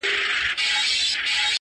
یار له جهان سره سیالي کوومه ښه کوومه،